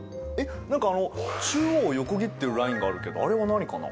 何かあの中央を横切ってるラインがあるけどあれは何かな？